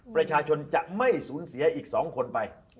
ประชาชนจะไม่สูญเสียอีก๒คนไป